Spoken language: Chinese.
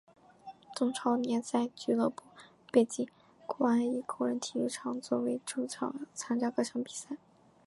中超联赛俱乐部北京国安以工人体育场作为主场参加各项比赛。